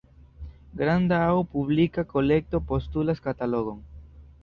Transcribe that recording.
Granda aŭ publika kolekto postulas katalogon.